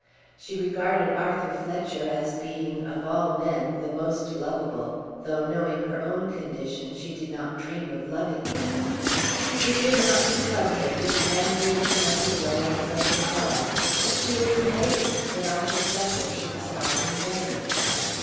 She regarded Arthur Fletcher as being of all men the most lovable, though, knowing her own condition, she did not dream of loving him. It did not become her to be angry with another girl on such a cause; but she was amazed that Arthur Fletcher should sigh in vain.